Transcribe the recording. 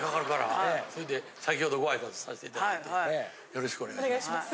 よろしくお願いします。